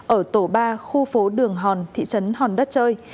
ở tổ ba khu phố đường hòn thị trấn hòn đất chơi